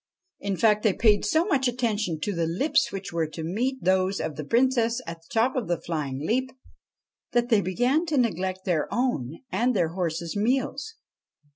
In fact, they paid so much attention to the lips which were to meet those of the Princess at the top of the flying leap, that they began to neglect their own and their horses' meals.